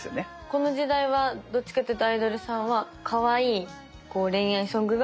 この時代はどっちかっていうとアイドルさんはかわいいこう恋愛ソングが多かったんですかね？